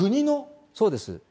そうです。